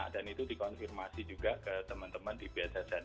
dan itu dikonfirmasi juga ke teman teman di bssn